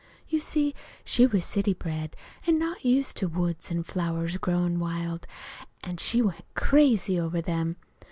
"You see she was city bred, an' not used to woods an' flowers growin' wild; an' she went crazy over them.